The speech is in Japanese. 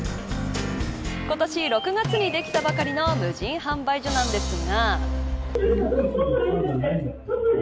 今年６月にできたばかりの無人販売所なんですが。